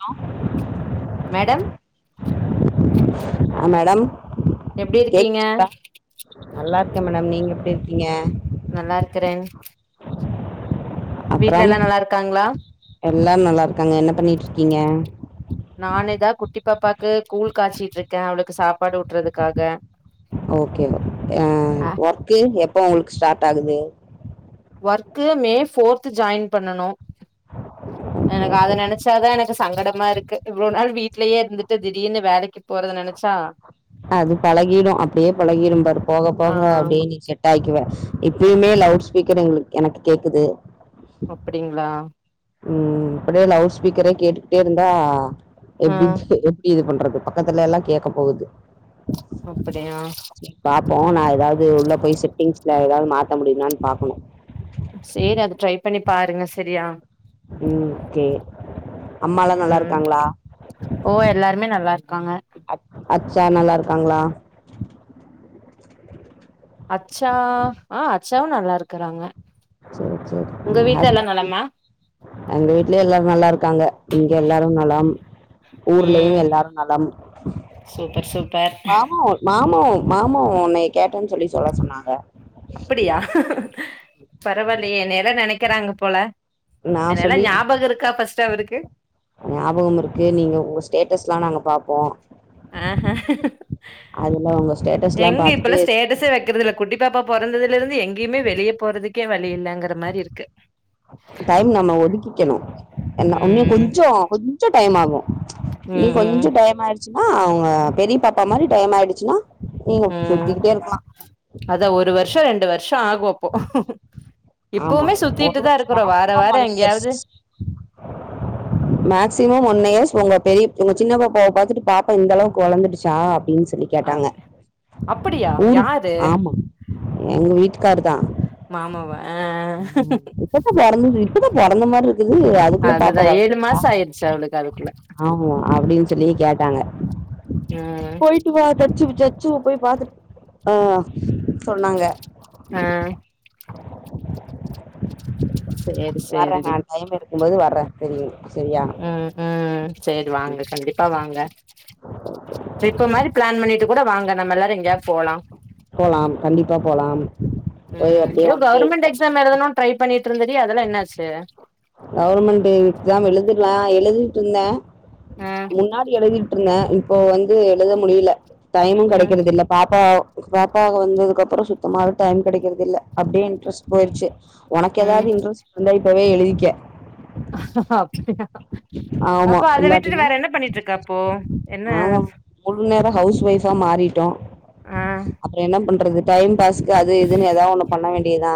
Hello madam ஆ madam எப்டி இருக்கீங்க கேக்குதுங்ளா நல்லா இருக்கே மேடம் நீங்க எப்டி இருக்கீங்க நல்லா இருக்கறே அப்புறம் நல்லா இருக்காங்களா எல்லாரு நல்லா இருக்காங்க என்ன பண்ணிட்டு இருக்கீங்க நானேதா குட்டி பாப்பாக்கு கூழ் காய்சிட்டு இருக்கேன் அவளுக்கு சாப்பாடு வுட்டுறதுக்காக ஓகே ம் ஒர்க்கு எப்போ உங்களுக்கு ஸ்டார்ட் ஆகுது ஒர்க்கு மே ஃபோர்து ஜாயின் பண்ணனு எனக்கு அத நெனைச்சாதா எனக்கு சங்கடமா இருக்கு இவ்ளோ நாள் வீட்டுலயே இருந்துட்டு திடீர்னு வேலைக்கு போறது நெனைச்சா அது பழகிடும் அப்டியே பழகிடும் பாரு போக போக ஆமா அப்டியே நீ செட் ஆயிக்குவ இப்பயுமே லவுட் ஸ்பீக்கர் எங்களுக்கு எனக்கு கேக்குது அப்டிங்களா ம் அப்டியே லவுட் ஸ்பீக்கரே கேட்டுக்கிட்டே இருந்தா ஆ எப்டி எப்டி இது பண்றது பக்கத்துல எல்லா கேட்க போகுது அப்டியா பாப்போம் நா ஏதாவது உள்ள போய் செட்டிங்ஸ்ல ஏதாவது மாத்த முடியுமான்னு பாக்கணு சேரி அது ட்ரை பண்ணி பாருங்க செரியா ம் கே ம் ஓ எல்லாருமே நல்லா இருக்காங்க அப் அச்சா நல்லா இருக்காங்களா அச்சா ஆ அச்சாவு நல்லா இருக்கறாங்க செரி செரி உங்க ம் வீட்ல எல்லா ஹாஸ்பிடல் நலமா எங்க வீட்லயே எல்லாரு நல்லா இருக்காங்க இங்க எல்லாரும் நலம் ஊர்லயு ம் எல்லாரும் நலம் சூப்பர் சூப்பர் மாமு மாமு உன்னைய கேட்டேன்னு சொல்லி சொல்ல சொன்னாங்க அப்டியா பரவாயில்லையே என்னைய எல்லா நெனைக்கிறாங்க போல நா என்னைய எல்லா சொல்லிட்டு ஞாபகம் இருக்கா ஃபர்ஸ்ட் அவருக்கு ஞாபகம் இருக்கு நீங்க உங்க ஸ்டேட்டஸ் எல்லா நாங்க பாப்போம் ஆ ஆ அதுல உங்க ஸ்டேட்டஸ்லா எங்க இப்பயெல்லா பாத்துட்டு ஸ்டேட்டஸே வைக்கறதுயில்ல குட்டி பாப்பா பிறந்ததுல இருந்து எங்கேயுமே வெளிய போறதுக்கே வழி இல்லைங்கிற மாரி இருக்கு டைம் நம்ம ஒதுக்கிக்கணு இன்னோ ம் கொஞ்சோ கொஞ்சோ டைம் ஆகு இன்னோ ம் ம் கொஞ்சோ டைம் ஆயிடுச்சுன்னா பெரிய பாப்பா மாரி டைம் ஆயிடுச்சுன்னா நீங்க சுத்தி ம் கிட்டே இருக்கலா அதா ஒரு வருஷம் ரெண்டு வருஷம் ஆகு அப்போ ஆமா இப்பவுமே ஒரு சுத்திட்டுதா வருஷம் இருக்குறோ வார மேக்ஸிமம் வாரோ ஒன் இயர்ஸ் எங்கேயாவது மேக்சிமம் ஒன் இயர்ஸ் உங்க பெரிய உங்க சின்னப்பப்பாவை பாத்துட்டு பாப்பா இந்த அளவுக்கு வளர்ந்துடுச்சா அப்டின்னு சொல்லி கேட்டாங்க அப் அப்படியா ஊருக்கு யாரு ஆமா எங்க வீட்டுக்காரு தா மாமா வ ஆ இப்ப பெறந்தது இப்பதா பெறந்த மாதிரி இருக் இல்லையே அதுக்குள்ள பாப்பா அதுதா ஏழு வளந்துருச்சா மாசோ ஆயிருச்சு அவளுக்கு அதுக்குள்ள ஆமா அப்டின்னு சொ ல்லி கேட்டாங்க ம் போயிட்டு வா தச்சு தச்சு போய் பாத்து ம் சொல்லுங்க ஆ சேரி வர்றேன் சேரிடி நா டைம் எடுக்கும்போது வர்றேன் தெரியு செரியா ம் ம் சேரி வாங்க கண்டிப்பா வாங்க ட்ரிப் மாறி பிளான் பண்ணிட்டு கூட வாங்க நம்ம எல்லாரு எங்கேயாது போலா போலாம் கண்டிப்பா போலாம் போய் அப்டியே ஒன் டே இருந்த டீச்சர் மாறிலா ட்ரை பண்ணிட்டு இருந்தேடி அதெல்லா என்னாச்சு கவர்மெண்ட் எக்ஸாம் எழுதிடலா எழுதிட்டு இருந்தேன் ம் முன்னாடி எழுதிட் இல்ல இப்போ வந்து எழுத முடியில டைமு ம் கெடைக்கிறது இல்ல பாப்பா பாப்பாங்க வந்ததுக்கு அப்புறோ சுத்தமாவே டைம் கெடைக்கிறது இல்ல அப்டியே இன்ட்ரெஸ்ட் போயிருச்சு ஒனக்கு ம் எதாவ்து இன்ட்ரெஸ்ட் வந்தா இப்பவே எழுதிக்க அப்டியா ஆமா அப்ப அத விட்டுட்டு இல்லாட்டினா வேற என்ன பண்ணிட்ருக்க அப்போ என்ன நாங்க முழு நேரம் ஹவுஸ் ஒய்ஃப்பா மாறிட்டோ ஆ அப்றோ என்ன பண்றது டைம் பாஸ்க்கு அது இதுன்னு எதாவ் ஒண்ணு பண்ண வேண்டிதா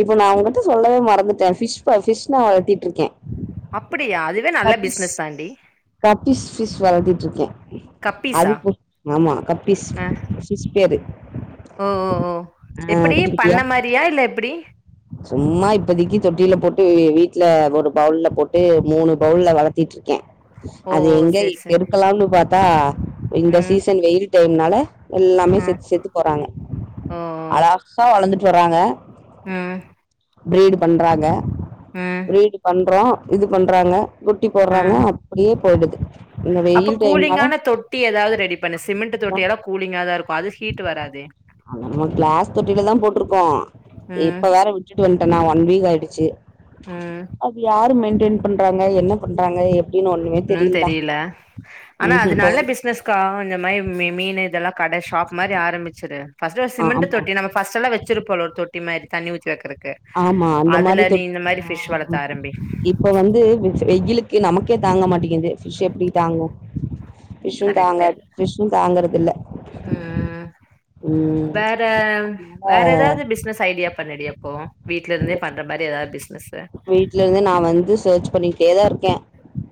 இப்ப நா உங்கிட்ட சொல்லவே மறந்துட்ட ஃபிஷ் கா ஃபிஷ் நா வளத்திட்ருக்கே அப்பிடியா அதுவே நல்ல பிஸ்னஸ் தாண்டி கப்பீஸ் ஃபிஷ் வளதிட்ருக்கே கப்பீஸா அது ஆமா கப்பீஸ் ஆ ஃபிஷ் பேரு ஓ ஓ ஓ ஆ எப்பிடி குட்டி பண்ண குட்டியா மாறியா இல்ல எப்டி சும்மா இப்பதைக்கு தொட்டில போட்டு வீட்ல ஒரு பவுல்ல போட்டு மூணு பவுல்ல வளத்திட்ருக்கே ஓ அது ஓ எங்க சேரி சேரி எருக்கலானு பாத்தா இந்த ம் சீசன் வெயில் டைம்னால எல்லாமே ம் செத்து செத்து போறாங்க ஓ ஓ அழகாக வளந்துட்டு வறாங்க ம் ப்ரீடு பண்றாங்க ம் ப்ரீடு பண்றோ இது பண்றாங்க விட்டு போட்றாங்க ம் அப்டியே போயிடுது இந்த அப்ப வெயில் டைம்னால கூலிங்கான தொட்டி எதாவ்து ரெடி பண்ணு சிமெண்ட் அதுதா தொட்டியெல்லா கூலிங்கா தா இருக்கும் அது ஹீ்ட்டு வராதே அத நம்ம கிளாஸ் தொட்டில்ல தா போட்ருக்கோம் ம் இப்ப வேற வி ட்டுட்டு வந்ட்டனா ஒன் வீக் ஆயிடுச்சி ம் அது யாரு மெயின்டென் பண்றாங்க என்ன பண்றாங்க எப்டின்னு ஒன் னும் தெரியில ஆனா அது ம் போ நல்ல பிஸ்னஸ் தா இந்த மாரி மீனு இதெல்லா கட ஷாப் மாரி ஆரம்பிச்சிரு ஃபர்ஸ்ட்டு ஒரு ஆ சிமெண்ட்டு ஆமா தொட்டி நம்ம ஃபர்ஸ்ட்டெல்லா வெச்சிருப்போல ஒரு தொட்டி மாரி தண்ணி ஊத்தி வெக்கிற க்கு ஆமா அந்த மாரி அதுல தொ நீ இந்த மாரி ஃபிஷ் வளக்க ஆமா ஆரம்பி இப்ப வந்து வெயிலுக்கு நமக்கே தாங்க மாட்டேக்கிது ஃபிஷ் எப்டி தாங்கும் ஃபிஷ்ஷூம் கரெக்ட்டு தாங்காது ஃபிஷ்ஷூம் தாங்குறது இல்ல ம் ம் அதனால பிஸ்னஸ் ஐடியா பண்ணுடி அப்போ வீட்ல இருந்தே பண்ற மாரி எதாவ்து பிஸ்னஸு வீட்லந்து நா வந்து சர்ச் பண்ணிக்கிட்டே தா இருக்க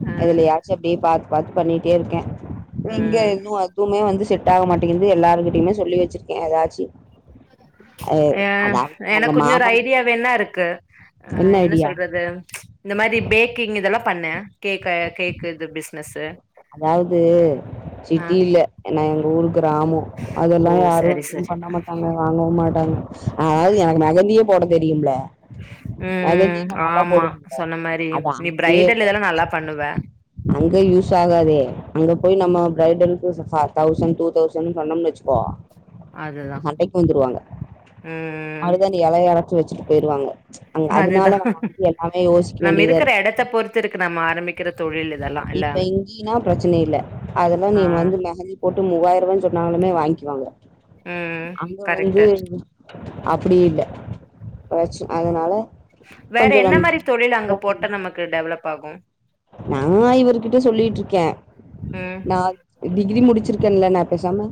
ஆ எதுலயாவ் சர்ச் அப்டியே பாத்து பாத்து பண்ணிட்டே இருக்கே எங்க ம் இன்னு எதுவுமே வந்து செட் ஆக மாட்டேங்குது எல்லாருகிட்டயுமே சொல்லி வச்சிருக்கே எதாச்சு அ அதாவ்து உங்க மாமா கிட்ட இப்ப என்ன இருக்கு ஆ என்ன சொல்றது இந்த மாரி பேக்கிங் இதெல்லா பண்ண கேக்க கேக்கு இது பிஸ்னஸ்ஸு அதாவ்து சிட்டி இல்ல ஏன்னா எங்க ஊரு கிராமோ அதெல்லா ஓ யாரும் சரி எதுவும் சரி பண்ண மாட்டாங்க வாங்கவும் மாட்டாங்க அதாவ்து எனக்கு மெகந்தியும் போட தெரியும்ல ம் ம் மெகந்தியு நம்ம எல்லா ஆமா போடுவோம்ல சொன்ன மாரி அது நீ அங்கயே பிரைடல் தா இதெல்லா நல்லா பண்ணுவ அங்க யூஸ் ஆகாது அங்க போய் நம்ம பிரைடலுக்கு தவுசண்ட் டூ தவுசண்ட் பண்ணோம் வச்சுக்கோ அதுதா சண்டைக்கு ம் ம் எலைய அரச்சி வெச்சுட்டு போயிருவாங்க அதனால அதுதா நம்ம வந்து எல்லாமே யோசிக்க வேண்டியதா இருக் க்க பொறுத்து இருக்கு நம்ம ஆரம்மமிக்கிற தொழில் இதெல்லா இல்ல இப்ப இங்கீன்னா பிரச்சன இல்ல அதெல்லா நீ ஆ வந்து மெகந்தி போட்டு மூவாயிர ரூவானு சொன்னாளுமே வாங்கிகுவாங்க ம் அங்க வந்து கரெக்ட்டு அப்டி இல்ல பச்சு அதனால வேற கொஞ்சம் என்ன மாரி தொழில் அங்க நம்ம போட்ட நமக்கு டெவலப் ஆகும் நானா இவர்கிட்ட சொல்லிட்டு இருக்கேன் ம் நா டிகிரி முடிச்சிருக்கேன்ல நா பேசாம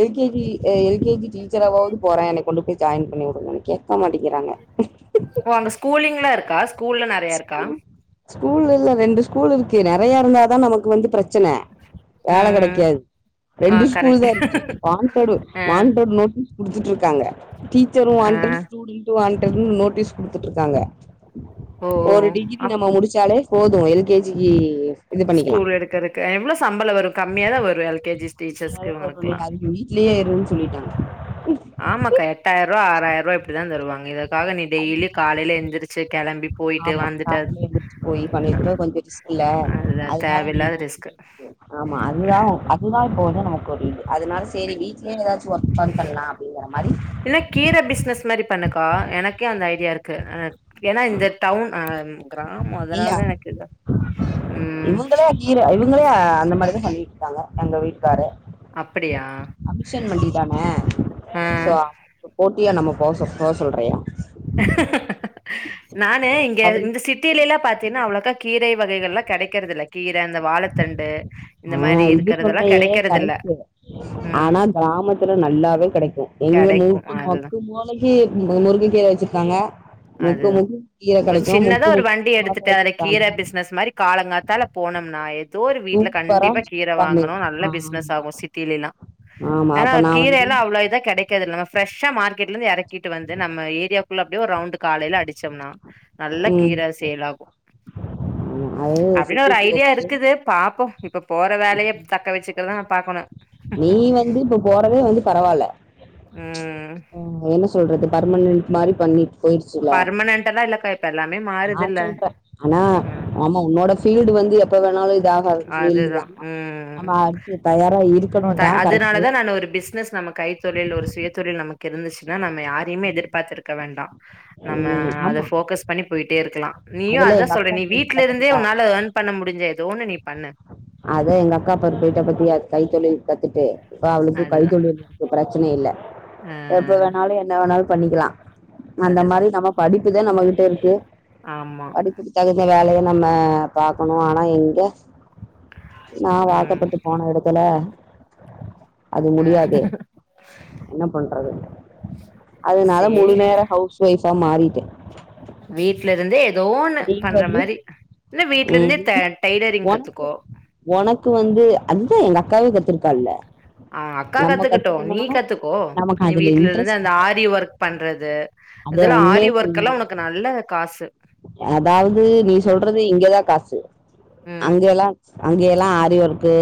L K G L K G டீச்சராவாவது போறேன் என்ன கொண்டு போய் ஜாயின் பண்ணி விடுங்கன்னு கேட்க மாட்டேங்கிறாங்க ஓ அங்க ஸ்கூலிங்லாம் இருக்கா ஸ்கூல்லாம் நெறையா இருக்கா ஸ்கூல் இல்ல ரெண்டு ஸ்கூல் இருக்கு நெறையா இருந்தா தா நமக்கு வந்து பிரச் சன வேல ம் ம் கெடைக்காது ஆ ரெண்டு ஸ்கூல் தா கரெக்ட்டு இருக்கு வான்டெட்டு ஆ வான்டெட்டு நோட் குடுத்துட்டு இருக்காங்க டீச்சரும் ஆ வான்டெட் ஸ்டூடன்ட்டும் வான்டெட்னு நோட்டீஸ் குடுத்துட்டு இருக்காங்க ஓ ஓ ஒரு டிகிரி அப்ப நம்ம முடிச்சாலே போதும் எல் கே ஜி க்கு இது பண்ணிக்கலா ஸ்கூல் எடுக்கிறதுக்கு எவ்வளோ சம்பளம் வரும் கம்மியா தான் வரும் எல் கே ஜி [inaudible] ரூவா டீச்சர்ஸ்க்கு வரும் சொல்லி இவங்களுக்குல்லா அதுக்கு வீட்லயே இருன்னு சொல்லிட்டாங்க ஆமாக்கா எட்டாயிர ரூவா ஆறாயிர ரூபா இப்படிதான் தருவாங்க இதுக்காக நீ ஐ- டெய்லி காலையில எழுந்துரிச்சு கெளம்பி போயிட்டு ஆமா வந்துட்டு காலையில எந்திரிச்சு போய் பண்ணிட்டுருக்க கொஞ்சம் ரிஸ்க் இல்ல அதுதா அதனால நீ தேவயில்லாத ரிஸ்க்கு [inaudible] ஆமா அதுதான் அ புதாய் போகுது நமக்கு ஒரு இது அதனால செரி வீட்லேயே ஏதாச்சும் ஒப்பன் பண்ணலாம் அப்படிங்கிற மாரி இல்ல கீர பிஸ்னஸ் மாரி பண்ணுக்கா எனக்கே அந்த ஐடியா இருக்கு அ ஏன்னா இந்த டவுன் அ கிராமம் நீயா அதனாலதான் எனக்கு இது ம் இவங்களே கீர இவங்களே அந்த மாரிதான் பண்ணிட்டு இருக்காங்க எங்க வீட்டுக்காரு அப்படியா அபிஷன் மல்லி தான சோ போட்டியா நம்ம போச போ சொல்றே நான்னு இங்க அவரு இந்த சிட் டியில எல்லாம் பாத்தீங்கன்னா அவ்வளவுக்கா கீர வகைகள் எலாம் கிடைக்கறது இல்ல கீர அந்த வாழத்தண்டு ஆ இது சொன்னயே கரெக்ட்டு ம் ஆனா கிராமத்துல நல்லாவே கெடைக்கும் எங்க கெடைக்கும் மூட்டு அதுதான் முக்கு மு க்குகி முறுக்கு கீர வச்சிருக்காங்க முக்கு அதுதான் முக்கு கீர ஒரு கெடைக்கு சின்னதா முக்கு ஒரு முக்கு வண்டி தோட்ட எடுத்துட்டு அல வச்சிருக்காங்க கீர பிஸ்னஸ் மாதிரி காலங்காத்தால போனோம்னா ஏதோ ஒரு வீட்டுல கண் சூப்பரா கண்டிப்பா கீர பண்ணுவோ வாங்கணும் நல்ல பிஸ்னஸ் ஆமா ஆகும் சிட்டில எல்லாம் ஆமா ஏனா அப்ப நா வந்து கீரைல்லாம் அவ்ளோ இத கெடைக் காது நம்ம ப்ரெஷா மார்கெட்ல இருந்து இறக்கிட்டு வந்து நம்ம ஏரியாக்குள்ள அப்டியே ஒரு ரவுண்டு காலையில அடிச்சோம்னா நல்ல ம் கீர சேலாகும் ஆமா அது அப்டின்னு ஒரு சிட்டிக்கு ஐடியா ஓகே இருக்குது பாப்போம் இப்ப போற வேலையே தக்க வச்சுக்கிறதான் பாக்கணும் நீ வந்து இப்ப போறதே வந்து பரவால்ல ம் ம் என்ன சொல்றது பர்மனன்ட் மாரி பண்ணி பர்மென்ட் எல்லாம் இல்லக்கா இப்ப எல்லாமே நா மாறுதுல்ல சொல்றேன் ஆனா ம் ஆமா உன்னோட ஃபீல்டு வந்து இப்ப வேணாலும் இத ஆகாது ஃபீல்டு அதுதா தா ம் நம்ம அடுத்து தயாரா இருக்கணும் தா கரெக்ட்டு பிஸ்னஸ் நம்ம கை தொழில் ஒரு சுய தொழில் நமக்கு இருந்துச்சுன்னா நம்ம யாரையுமே எதிர்பாத்திருக்க வேண்டாம் நம்ம ம் அத ஆமா ஃபோக்கஸ் பண்ணி போயிட்டே இருக்கலாம் நீயும் அதுல அதா எங்க அக்கா சொல்றேன் நீ போய்ட்டா வீட்டு்ல இருந்தே பாத்தியா உன்னால எர்ன் பண்ண முடிஞ்சா ஏதோ ஒன்னு நீ பண்ணு அத எங்க அக்கா பாரு போயிட்ட பாத்தியா கை தொழில் கத்துட்டு இப்ப அவளுக்கு அதுதா கைத்தொழில் இருக்கு இருக்கு பிரச்சனை இல்ல ஆ எப்ப வேணாலும் என்ன வேணாலும் பண்ணிக்கலாம் அந்த அதுதா மாரி நம்ம படிப்புதா நம்மகிட்ட இருக்கு ஆமா இதுக் தகுந்த வேலையை நம்ம பாக்கணு ஆனா எங்க நா ம் வாக்கப்பட்டு போன இடத்துல அது ஆ முடியாது என்ன பண்றது அதனால முழு சேரி நேர ஹவுஸ் வைஃப்பா மாறிட்டே வீட்ல இருந்தே ஏதோன்னு நீங்க பண்ற வந்து மாறி இல்ல வீட்ல இருந்தே தா டைலரிங் கத்துக்கோ எனக்கு வந்து அது தா எங்க அக்காவே கத்திருக்கா இல்ல ஆ அக்கா கத்துக்கிட்டு நீ கத்துக்கோ நமக்கு நீ அதுல வீட்டுல இருந்து இன்ட்ரெஸ்ட் அந்த இல்ல ஆரி ஒர்க் பண்றது அத இது எல்லா ஆரி உண்மைய ஒர்க்கு எல்லா சொல்லனுனா உனக்கு நல்ல காசு அதாவது நீ சொல்றது இங்க தா காசு ம் அங்க எல்லா அங்க எல்லா ஆரி ஒர்க்கு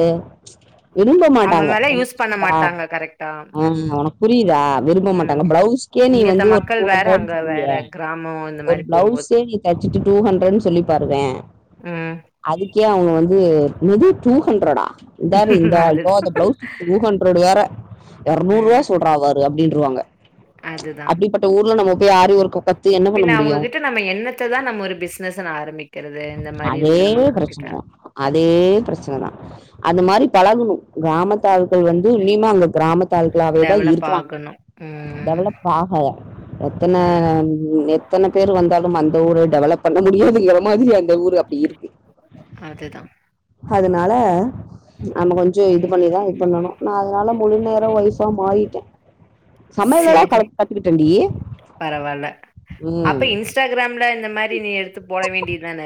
விரும்ப அந்த மாட்டாங்க மாரிலா யூஸ் பண்ண புரியுதா மாட்டாங்க கரெக்டா ஆ ம் ஒனக்கு புரியுதா விரும்ப ம் மாட்டாங்க பிளவுஸ்க்கே நீ இங்க தா வந்து மக் ஒரு மக்கள் டூ வேற ஹண்ட்ரட்னு அங்க வேற சொல்லியே கிராமே இந்த ஒரு மாறி போகு போது பிளவுஸே நீ தச்சுட்டு டூ ஹண்ட்ரட்னு சொல்லி பாருங்க ம் அதுக்கே அவுங்க வந்து இது டூ ஹண்ட்ரடா இந்தரு இந்த இதோ அதுதா ஆ பிளவுஸ் டூ ஹண்டர்டு வேற ஆ இரநூறு ரூபா சொல்றாவரு அப்புடின்வாங்க அதுதா அப்புடிப்பட் டா ஊர்ல நம்ம போயி ஆரி ஓர்க்கு ஊக்கந் பின்ன அவுங்ககிட்ட நம்ம எண்ணத்த தா நம்ம ஒரு பிசினஸ்சுனு ஆரம்பிக்கிறது இந்த மாதிரி அதே இருக்கிற மக்கள் கிட்ட பிரச்சனை தான் அதே பிரச்சனை தா அந்த மாறி பழகணு கிராமத் ஆட்கள் வந்து உன்னிமே அவுங்க கிராமத் ஆட்கள்களா வேதா டெவலப் இருக்குறாங்க ஆகணு ம் டெவலப் ஆகது எத்தன ம் எத்தன பேர் வந்தாலு அந்த ஊரு டெவலப் பண்ண முடியாதுங்கிற மாதிரி அந்த ஊர் அப்புடி இருக்கு அது தா அதுனால நம்ம கொஞ்ச இது பண்ணிதா இது பண்ணணு நா அதனால முழு நேர வைஃபா மாறிட்டே சமையல் எல்லா சரி கலந்து பாத்துகிட்டு டி ம் இன்ஸ்டாகிராமில்ல இந்த மாறி நீ எடுத்து போட வேண்டியது தான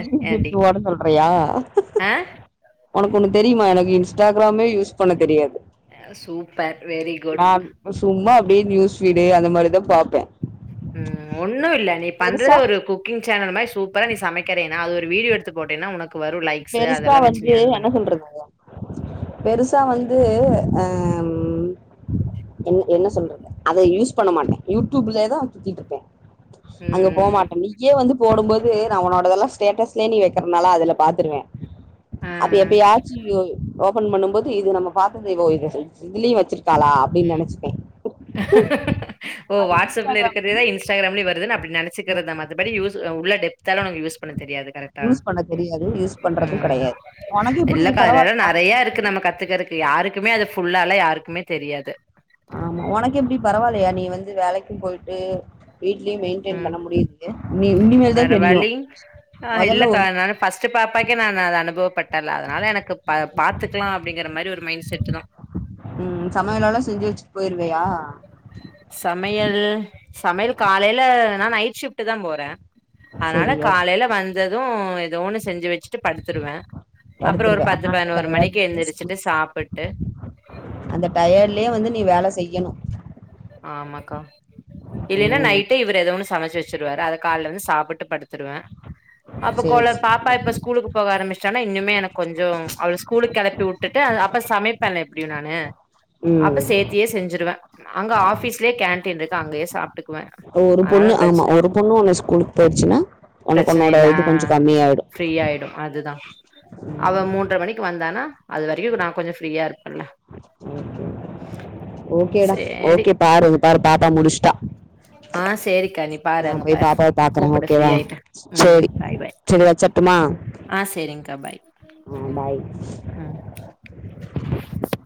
நீயு விட்டுட்டு ஓட சொல்றியா ஆ உனக்கு ஒண்ணு தெரியுமா எனக்கு இன்ஸ்டாகிராமே யூஸ் பண்ண தெரியாது ஆ சூப்பர் வெரி குட் நான் சும்மா அப்புடியே நியூஸ் ரீடு அந்த மாறி தா பாப்பே ம் ஒண்ணு இல்ல நீ பண்றத பெருசா ஒரு கு க்கிங் சேனல் மாறி சூப்பரா நீ சமைக்கிறேனா அது ஒரு வீடியே எடுத்து போட்டன்னா உனக்கு வரும் லைக் பெருசா வந்து என்ன சொல்றது வகைய பெருசா வந்து ஆ ம் தோழி என்ன சொல்றது அத யூஸ் பண்ண மாட்டே யூடியூப்லே தா சுத்திட்டு இருப்பே அங்க போ ம். மாட்டோ நீயே வந்து போடு போது நா உன்னோடது எல்லா ஸ்டேட்டஸ்லயே நீ வைக்கறதுனால அதுல பாத் துருவே ஆ. அப்ப எப்ப ஆச்சு ஓ ஓபன் பண்ணு போது இது நம்ம பாத்தது இவோ இவ இது இதுலயு வச்சிருக்காளா அப்புடின்னு நெனைச்சுபேன் ஓ வாட்ஸ் அப்ல இன்ஸ்டாகிராம் இருக்கிறது தா இன்ஸ் இன்ஸ்ட கிராம்முலையு வருது நா அப்புடி நினைச்சக்கிற நம்ம அது படி யூஸ் தா உள்ள டெத் தனலு யூஸ் பண்ண தெரியது கரெக்ட் ஆ யூஸ் பண்ண தெரியாது யூஸ் ஆ பண்றதும் ஆ ஆ கிடையாது உனக்கு எப்படி இல்லக்கா அத எல்லா பரவாயில்லையா நிறைய இருக்கு நம்ம கத்துக்கறதுக் யாருக்குமே அது ஃபுல்லா இல்ல யாருக்குமே தெரியாது ஆமா உனக்கு எப்படி பரவில்லையா நீ வந்து வேலைக்கு போயிட்டு வீட்லயு மெயின்டென் ம். பண்ண முடியுது நீ இனிமே தா வேற தெரியு முதல்ல ஒரு ஃபஸ்டு பாப்பாக்கே நா அது அனுபவப்பட்டல்ல அதனாவ எனக்கு பா பாத்துக்கலா அப்புடிங்கிற மாறி ஒரு மைண்ட் செட்டு தா ம் சமையலெல்லா செஞ்சு வெச்சுட் போயிருவயா சமையல் சமையல் காலைல நா நைட் ஷிப்ட்டுதாம் போறே சரி அதனாலக் ஓகே காலைல வந்தது எதோ ஒன்னு செஞ்சு வெச்சு ட்டுப் படுத்துருவே அப்பறோ ஒருப் படுத்துருவேன் பத்து ஆனா அந்த பதனோரு மணிக்கு டயர்ட்லயே எந்திரிச்சிட்டு சாப்புட்டு அந்த டயேட்லே வந்து நீ வேல செய்யணு ஆமக்கா இல்லேனா ம் நைட்டே இவரு எதோ ஒன்னு சமச்சி வெச்சுருவாரு அதக் கால்ல வந்து சாப்புட்டுப் படுத்துருவே அப்போக் சரி கோலப் பாப்பா சரி இப்ப ஸ்கூலுக்கு போக ஆரம்பிச்டானா இன்னுமே எனக் கொஞ்சோ அவள ஸ்கூலுக் கெளப்பி வுட்டுட்டு அத அப்ப சமைப்பேல எப்டியு நானு அப்ப ம் சேத் த்தியே செஞ்சிருவே அங்க ஆஃபீஸ்லேக் கேன்டீன் ருக்கு அங்கியே சாப் டுக்வே ஒருப் பொண்ணு ஆமா ஒருப் பொண்ணு ஒன்னு ஸ்கூலுக் போயிடுச்சினா ஒனக் பிரச்சன ஒன்னோட இல்ல ஆ இது கொஞ்சோ கம்மியாய்டு ஃப்ரீ ஆயிடு அதுதா அவெ மூன்ற மணிக்கு வந்தானா அது வெரியு நா கொஞ்சோ ஃப்ரீயா இருப்பல்ல ஓகே ஓகேடா சேரி ஓகே பாரு இதுப் பாரு பாப்பா முடிச்ட்டா ஆ சேரிக் கணிப் நாப் போயி பாப்பாவப் பாக்கற ஓகேவா ம் சேரி பாய் பாய் செரி வெச்சர்ட்டுமா ஆ செரிங்க்கா பாய் அ பாய் ம்